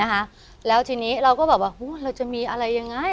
นะคะแล้วทีนี้เราก็แบบว่าเราจะมีอะไรยังไง